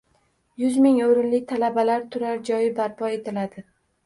Yuz ming o‘rinli talabalar turar joylari barpo etiladi.